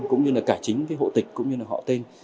cũng như cả chính hộ tịch họ tên